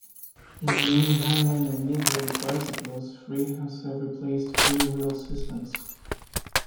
In many high-end and midrange bicycles, freehubs have replaced freewheel systems.